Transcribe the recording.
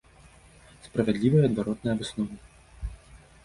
Справядліва і адваротная высновы.